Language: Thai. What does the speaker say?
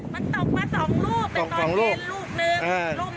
ก็เลยโอ้มันตกมา๒ลูกเป็นนอนเทียนลูกนึง